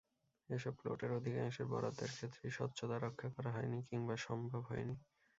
এসব প্লটের অধিকাংশের বরাদ্দের ক্ষেত্রেই স্বচ্ছতা রক্ষা করা হয়নি কিংবা সম্ভব হয়নি।